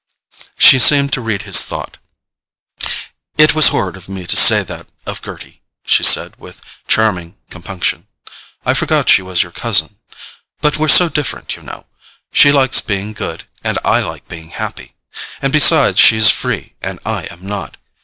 She seemed to read his thought. "It was horrid of me to say that of Gerty," she said with charming compunction. "I forgot she was your cousin. But we're so different, you know: she likes being good, and I like being happy. And besides, she is free and I am not.